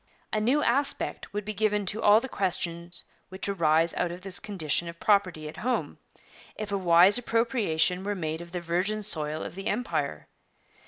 'A new aspect would be given to all the questions which arise out of this condition of property at home, if a wise appropriation were made of the virgin soil of the Empire.